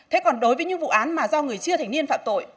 thế còn đối với những vụ án mà do người chưa thành niên phạm tội